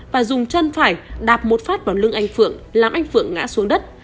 và dùng chân phải đạp một phát vào lưng anh phượng làm anh phượng ngã xuống đất